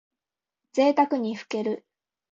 ぜいたくにふける。